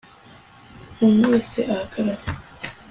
umuntu wese ahagarare